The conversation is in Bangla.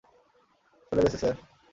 চলে গেছে, স্যার।